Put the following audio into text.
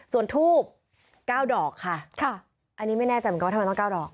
ส่วนธูปเก้าดอกค่ะอันนี้ไม่แน่จังคิดว่าทำไมต้องเก้าดอก